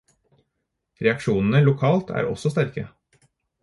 Reaksjonene lokalt er også sterke.